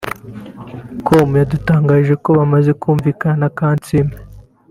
com yadutangarije ko bamaze kumvikana na Kansiime